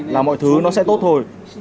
là mọi thứ nó sẽ tốt thôi